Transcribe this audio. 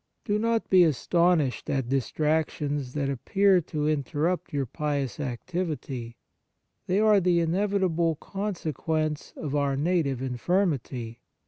Do not be astonished at distrac tions that appear to interrupt your pious activity ; they are the inevit able consequence of our native in firmity.